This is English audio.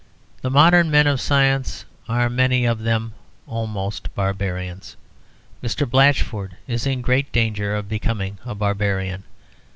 The modern men of science are many of them almost barbarians. Mr. Blatchford is in great danger of becoming a barbarian.